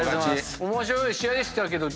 面白い試合でしたけど。